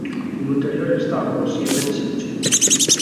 Un ulteriore restauro si ebbe nel Settecento.